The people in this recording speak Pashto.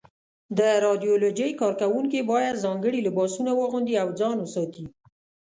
د رادیالوجۍ کارکوونکي باید ځانګړي لباسونه واغوندي او ځان وساتي.